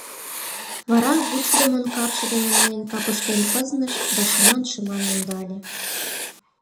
Вара вучыдымын капше дене мыйын капышкем пызныш да шыман-шыман ӧндале.